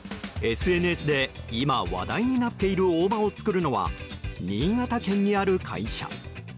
ＳＮＳで今、話題になっている大葉を作るのは新潟県にある会社。